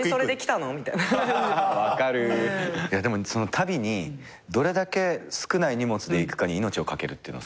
旅にどれだけ少ない荷物で行くかに命を懸けるっていうのは。